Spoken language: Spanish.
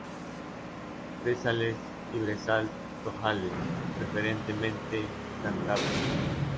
Brezales y brezal-tojales, preferentemente cantábricos.